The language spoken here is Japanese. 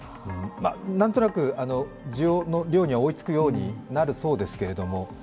なんとなく需要の量には追いつくようになるそうですが。